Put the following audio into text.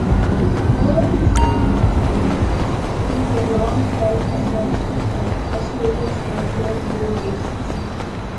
All of these sentiments plays into a long-held assumption that Australians have low-brow tastes.